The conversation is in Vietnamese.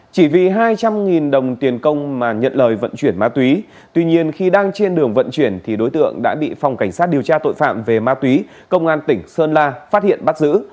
chỉ vì hai trăm linh đồng tiền công mà nhận lời vận chuyển ma túy tuy nhiên khi đang trên đường vận chuyển thì đối tượng đã bị phòng cảnh sát điều tra tội phạm về ma túy công an tỉnh sơn la phát hiện bắt giữ